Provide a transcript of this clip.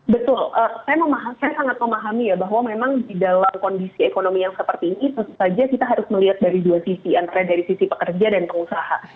betul saya sangat memahami ya bahwa memang di dalam kondisi ekonomi yang seperti ini tentu saja kita harus melihat dari dua sisi antara dari sisi pekerja dan pengusaha